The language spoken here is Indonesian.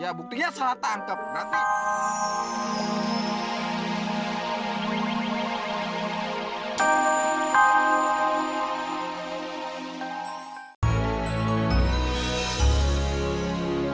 ya buktinya salah tangkep nanti